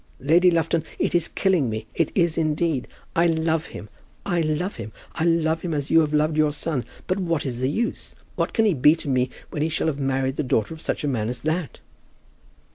Lady Lufton, it is killing me. It is indeed. I love him; I love him; I love him as you have loved your son. But what is the use? What can he be to me when he shall have married the daughter of such a man as that?"